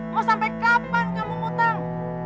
mau sampai kapan kamu utang